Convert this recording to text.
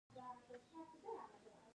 اداري مجلس څه پریکړې کوي؟